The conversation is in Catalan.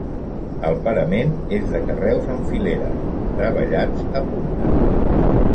El parament és de carreus en fileres, treballats a punta.